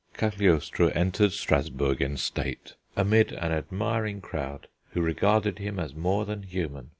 Cagliostro entered Strassburg in state, amid an admiring crowd, who regarded him as more than human.